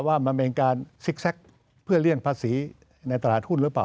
ว่ามันเป็นการซิกแก๊กเพื่อเลี่ยงภาษีในตลาดหุ้นหรือเปล่า